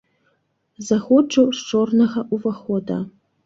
Заходжу з чорнага ўвахода.